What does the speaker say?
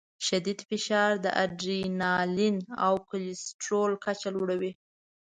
شدید فشار د اډرینالین او کورټیسول کچه لوړوي.